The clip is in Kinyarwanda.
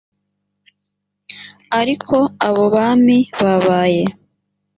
ariko abo bami babaye